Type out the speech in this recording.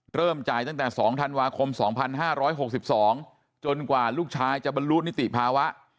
เริ่มจ่ายตั้งแต่๒ธันวาคม๒๕๖๒จนกว่าลูกชายจะบรรลุนิติภาวะ